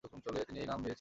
তিনি এই নাম বেছে নেন।